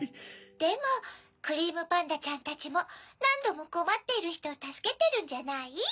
でもクリームパンダちゃんたちもなんどもこまっているひとをたすけてるんじゃない？